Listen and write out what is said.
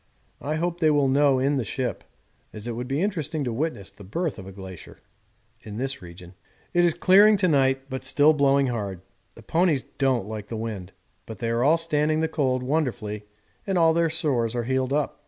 I hope they will know in the ship, as it would be interesting to witness the birth of a glacier in this region. It is clearing to night, but still blowing hard. The ponies don't like the wind, but they are all standing the cold wonderfully and all their sores are healed up.